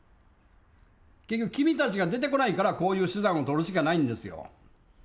結局君たちが出てこないから、こういう手段を取るしかないんです